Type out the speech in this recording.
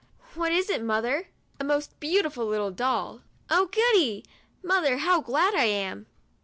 " What is it nWther I "« A most beautiful little doll." " Oh, goody ! mother, how glad I am."